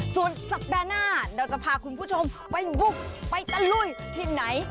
ส่วนสัปดาห์หน้าเราจะพาคุณผู้ชมไปบุกไปตะลุยที่ไหน